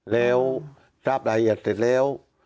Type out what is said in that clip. แล้วทราบรายละเอียดเสร็จแล้ว